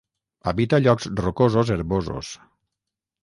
Habita llocs rocosos herbosos.